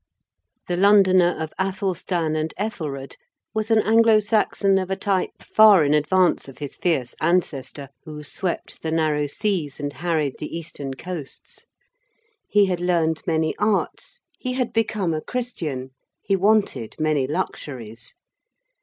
The Londoner of Athelstan and Ethelred was an Anglo Saxon of a type far in advance of his fierce ancestor who swept the narrow seas and harried the eastern coasts. He had learned many arts: he had become a Christian: he wanted many luxuries.